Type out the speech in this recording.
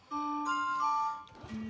tidak ada yang bisa dihukum